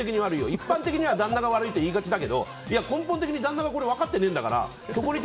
一般的には旦那が悪いと言いがちだけど根本的に旦那が分かってないんだから。